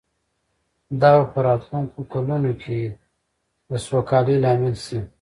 دا به په راتلونکو کلونو کې د سوکالۍ لامل شي